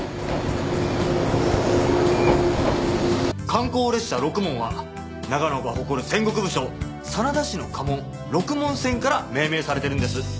観光列車ろくもんは長野が誇る戦国武将真田氏の家紋六文銭から命名されているんです。